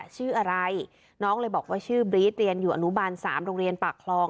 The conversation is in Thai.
ชื่ออะไรน้องเลยบอกว่าชื่อบรี๊ดเรียนอยู่อนุบาล๓โรงเรียนปากคลอง